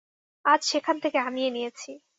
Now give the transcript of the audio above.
আজ সেখান থেকে আনিয়ে নিয়েছি।